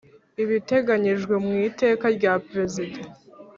ibiteganyijwe mwi teka rya perezida